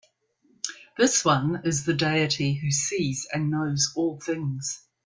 This one is the Deity who sees and knows all things.